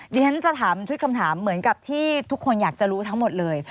ดิฉันจะถามชุดคำถามเหมือนกับที่ทุกคนอยากจะรู้ทั้งหมดเลย